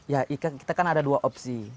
ya kita kan ada dua opsi